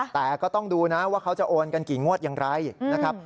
แต่ก็ต้องดูนะว่าเขาจะโอนกันกี่งวดอย่างไรนะครับ